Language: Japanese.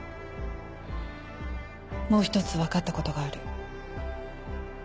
もう１つ分かったことがある。